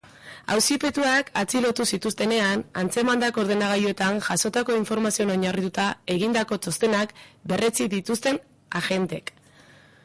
Auzipetuak atxilotu zituztenean atzemandako ordenagailuetan jasotako informazioan oinarrituta egindako txostenak berretsi dituzte agenteek.